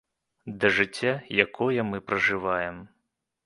Да жыцця, якое мы пражываем.